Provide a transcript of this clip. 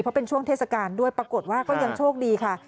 เพราะเป็นช่วงเทศกาลด้วยปรากฏว่าก็ยังโชคดีค่ะ